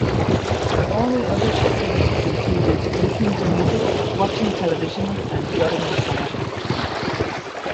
Her only other activities included listening to music, watching television and getting massages.